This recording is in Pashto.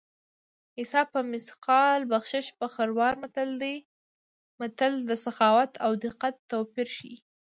حساب په مثقال بخشش په خروار متل د سخاوت او دقت توپیر ښيي